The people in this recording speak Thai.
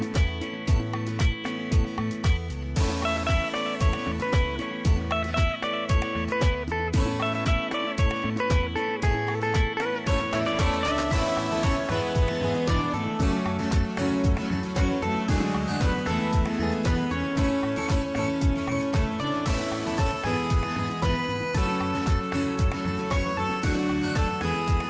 สวัสดีครับ